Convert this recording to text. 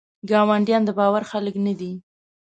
ګاونډیان دباور خلګ نه دي.